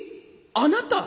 あなた！？